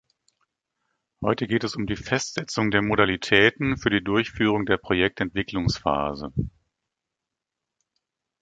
Heute geht es um die Festsetzung der Modalitäten für die Durchführung der Projektentwicklungsphase.